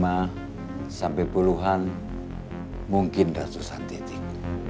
akan di empat lima sampai puluhan mungkin ratusan titik